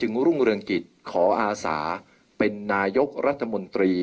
เพื่อยุดยั้งการสืบทอดอำนาจของขอสอชอต่อและยังพร้อมจะเป็นนายกรัฐมนตรี